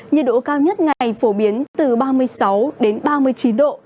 nhiệt độ cao nhất ngày phổ biến từ ba mươi sáu đến ba mươi chín độ